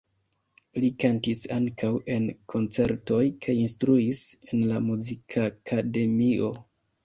Li kantis ankaŭ en koncertoj kaj instruis en la muzikakademio.